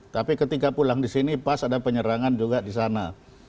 tapi ketika pulang di sini pas ada penyerangan juga di sana